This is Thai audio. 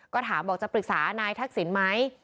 ก็ถามบอกจะปรึกษานายทักษิณไหม